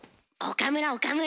岡村岡村。